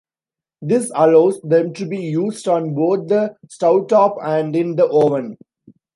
This allows them to be used on both the stovetop and in the oven.